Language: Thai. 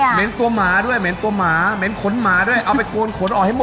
โชคความแม่นแทนนุ่มในศึกที่๒กันแล้วล่ะครับ